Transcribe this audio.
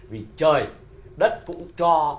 vì trời đất cũng cho